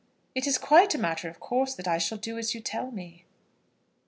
"It is quite a matter of course that I shall do as you tell me."